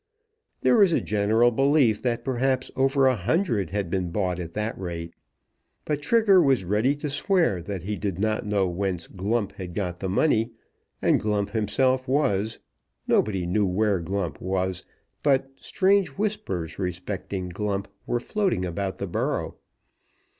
There was a general belief that perhaps over a hundred had been bought at that rate. But Trigger was ready to swear that he did not know whence Glump had got the money, and Glump himself was, nobody knew where Glump was, but strange whispers respecting Glump were floating about the borough.